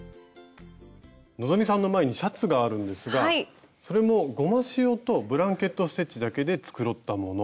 希さんの前にシャツがあるんですがそれもゴマシオとブランケット・ステッチだけで繕ったもの。